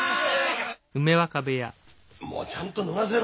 もうちゃんと脱がせろ！